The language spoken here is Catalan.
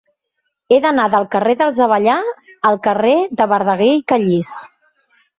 He d'anar del carrer dels Avellà al carrer de Verdaguer i Callís.